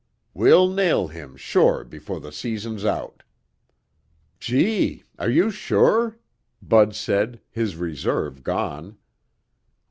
We'll nail him sure before the season's out." "Gee! Are you sure?" Bud said, his reserve gone.